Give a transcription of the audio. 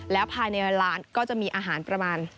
แล้วภายในร้านก็จะมีอาหารประมาณ